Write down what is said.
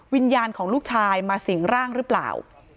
วิญญาณของลูกชายมาสิ่งร่างหรือเปล่า